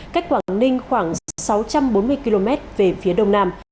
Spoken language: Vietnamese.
cách quảng ninh khoảng sáu trăm bốn mươi km về phía đông nam